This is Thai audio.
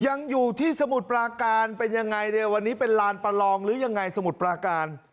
ยังอยู่ที่สมุทรปราการเป็นยังไงเนี่ยวันนี้เป็นลานประลองหรือยังไงสมุทรปราการ